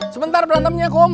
sebentar berantemnya kum